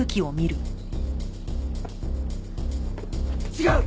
違う！